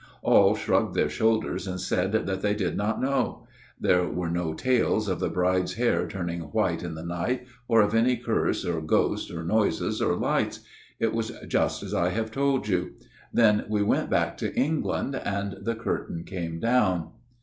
All shrugged their shoulders and said that they did not know. " There were no tales of the bride's hair turning white in the night, or of any curse or ghost or noises or lights. It was just as I have told you. Then we went back to England ; and the curtain came down.